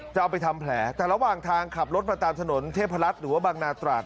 จะเอาไปทำแผลแต่ระหว่างทางขับรถมาตามถนนเทพรัฐหรือว่าบังนาตราด